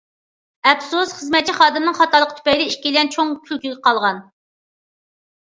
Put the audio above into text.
ئەپسۇس خىزمەتچى خادىمنىڭ خاتالىقى تۈپەيلى ئىككىيلەن چوڭ كۈلكىگە قالغان.